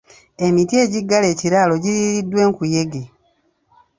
Emiti egiggala ekiraalo giriiriddwa enkuyege.